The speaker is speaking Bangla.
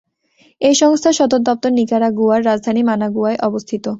এই সংস্থার সদর দপ্তর নিকারাগুয়ার রাজধানী মানাগুয়ায় অবস্থিত।